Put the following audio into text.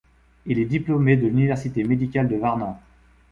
Il est diplômé de l'université médicale de Varna.